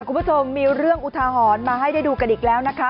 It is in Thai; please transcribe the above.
คุณผู้ชมมีเรื่องอุทาหรณ์มาให้ได้ดูกันอีกแล้วนะคะ